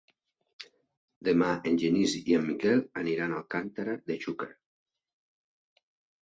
Demà en Genís i en Miquel aniran a Alcàntera de Xúquer.